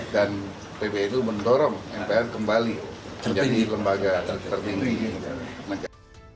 dan pbnu mendorong mpr kembali menjadi lembaga tertinggi